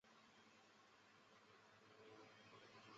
定理中对于特征的限制则与后来由岩泽健吉和除去。